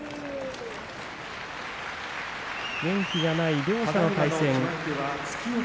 元気がない両者の対戦。